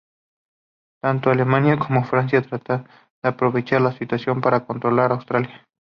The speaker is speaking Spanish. Tanto Alemania como Francia trataron de aprovechar la situación para controlar Austria.